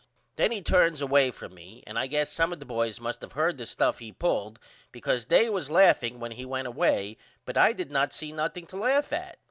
Then he turns away from me and I guess some of the boys must of heard the stuff he pulled because they was laughing when he went away but I did not see nothing to laugh at.